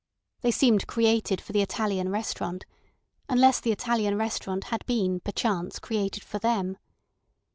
They seemed created for the Italian restaurant, unless the Italian restaurant had been perchance created for them.